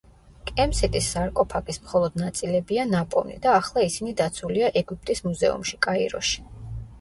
კემსიტის სარკოფაგის მხოლოდ ნაწილებია ნაპოვნი და ახლა ისინი დაცულია ეგვიპტის მუზეუმში, კაიროში.